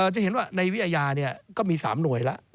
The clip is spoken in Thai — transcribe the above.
จะเห็นว่าในวิอาญาก็มี๓หน่วยแล้ว